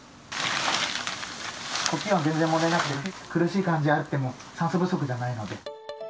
呼気は全然あっても苦しい感じあっても酸素不足じゃないので。